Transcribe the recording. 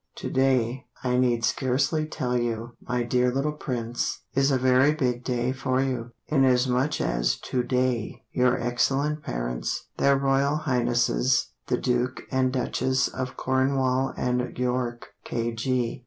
To day, I need scarcely tell you, my dear little Prince, Is a very big day for you, Inasmuch as To day your excellent parents Their Royal Highnesses The Duke and Duchess of Cornwall and York, KG.